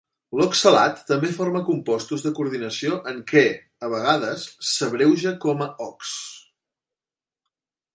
L'oxalat també forma compostos de coordinació en què, a vegades, s'abreuja com ox.